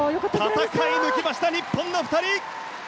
戦い抜きました日本の２人！